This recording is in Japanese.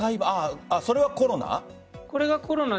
それがコロナ？